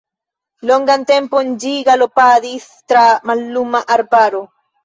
Longan tempon ĝi galopadis tra malluma arbaro.